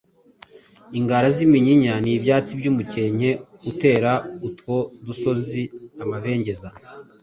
ingara z’iminyinya n’ibyatsi by’umukenke utera utwo dusozi amabengeza.